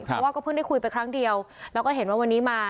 เพราะว่าก็เพิ่งได้คุยไปครั้งเดียวแล้วก็เห็นว่าวันนี้มา